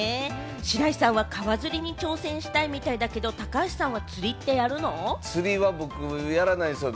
白石さんは川釣りに挑戦したいみたいだけれども、高橋さんは、僕、やらないんですよ。